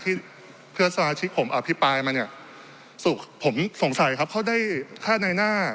เพื่อนสมาชิกผมอภิปรายมาเนี่ยสุขผมสงสัยครับเขาได้แค่ในหน้า